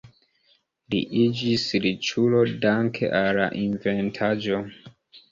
Li iĝis riĉulo danke al la inventaĵo.